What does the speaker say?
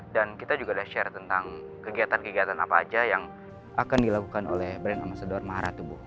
dan kita juga udah share tentang kegiatan kegiatan apa aja yang akan dilakukan oleh brand amasador maharatu bu